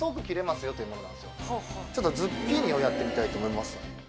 ズッキーニをやってみたいと思います。